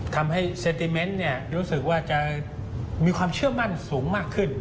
ทำให้เซติเมนต์เนี่ยยกรรมสุขจริงอย่างเยอะก่อนรู้สึกว่าจะมีความเชื่อมั่นสูงมากขึ้น